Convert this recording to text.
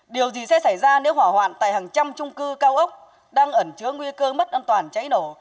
điều gì sẽ xảy ra nếu hỏa hoạn tại hàng trăm trung cư cao ốc đang ẩn trứa nguy cơ mất an toàn cháy nổ